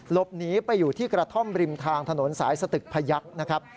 หลบหนีไปอยู่ที่กระท่อมริมทางถนนสายสตึกพยักษ์นะครับ